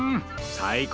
最高。